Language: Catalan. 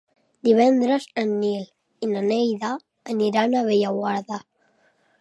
Divendres en Nil i na Neida aniran a Bellaguarda.